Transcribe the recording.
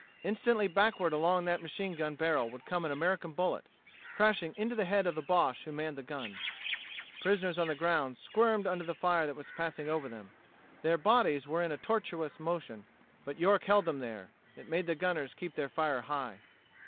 Instantly backward along that German machine gun barrel would come an American bullet crashing into the head of the Boche who manned the gun. The prisoners on the ground squirmed under the fire that was passing over them. Their bodies were in a tortuous motion. But York held them there; it made the gunners keep their fire high.